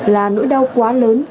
là nỗi đau quá lớn